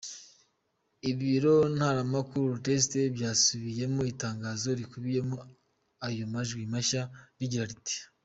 Ibiro ntaramakuru Reuters byasubiyemo itangazo rikubiyemo ayo "majwi mashya" rigira ati:.